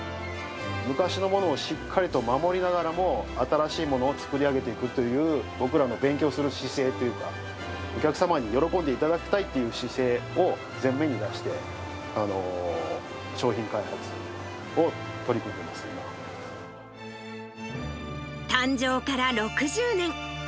昔のものをしっかりと守りながらも、新しいものを作り上げていくという僕らの勉強する姿勢というか、お客様に喜んでいただきたいっていう姿勢を前面に出して、誕生から６０年。